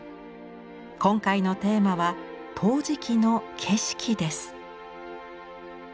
今回のテーマは陶磁器の「景色」です。